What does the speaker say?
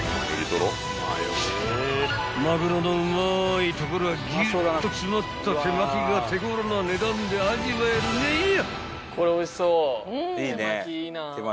［まぐろのうまいところがぎゅっと詰まった手巻きが手頃な値段で味わえるのよ！］